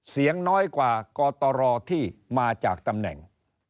เสียงน้อยกว่ากตรที่มาจากตำแหน่ง